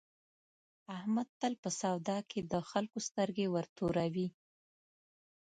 احمد تل په سودا کې د خلکو سترګې ورتوروي.